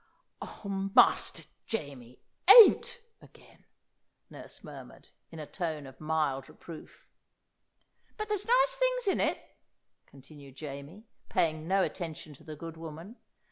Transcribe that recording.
"Oh, Master Jamie, 'ain't' again!" nurse murmured, in a tone of mild reproof. "But there's nice things in it," continued Jamie, paying no attention to the good woman.